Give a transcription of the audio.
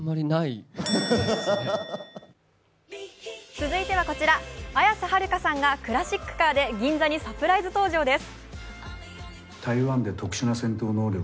続いてはこちら、綾瀬はるかさんがクラシックカーで銀座にサプライズ登場です。